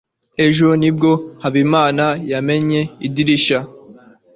Ejo nibwo Habimana yamennye idirishya.